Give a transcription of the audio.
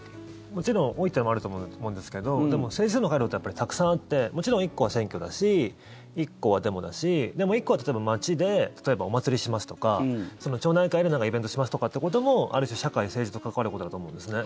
もちろん多い点はあると思うんですけどでも、政治への回路ってたくさんあってもちろん、１個は選挙だし１個はデモだし１個は例えば、街でお祭りしますとか町内会でイベントしますってこともある種、社会、政治と関わることだと思うんですね。